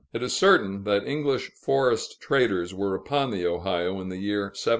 It is certain that English forest traders were upon the Ohio in the year 1700.